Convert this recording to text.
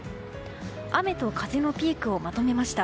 雨と風のピークをまとめました。